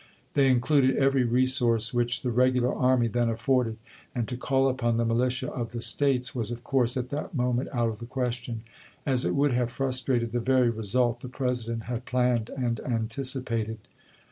They included every resource which the regular army then afforded ; and to call upon the militia of the States was, of course, at that moment out of the question, as it would have frus 68 ABRAHAM LINCOLN Chap. IV. trated the very result the President had planned and anticipated.